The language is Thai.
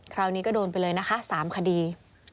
คราวนี้ก็โดนไปเลยนะคะ๓คดี